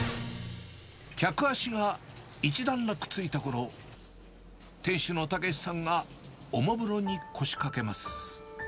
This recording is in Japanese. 客足が一段落ついたころ、店主の健志さんがおもむろに腰掛けます。